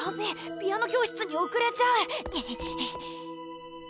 ピアノ教室におくれちゃう！